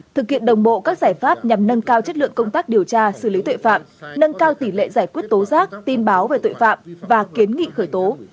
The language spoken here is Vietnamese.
thực hiện đồng bộ các giải pháp nhằm nâng cao chất lượng công tác điều tra xử lý tuệ phạm nâng cao tỷ lệ giải quyết tố giác tin báo về tội phạm và kiến nghị khởi tố